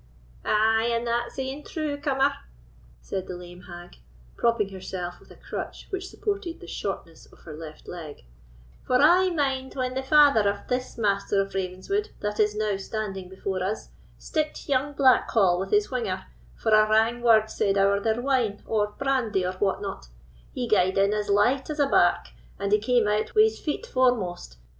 "Ay! and that's e'en true, cummer," said the lame hag, propping herself with a crutch which supported the shortness of her left leg, "for I mind when the father of this Master of Ravenswood that is now standing before us sticked young Blackhall with his whinger, for a wrang word said ower their wine, or brandy, or what not: he gaed in as light as a lark, and he came out wi' his feet foremost.